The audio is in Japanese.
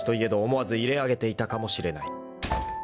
思わず入れ揚げていたかもしれない］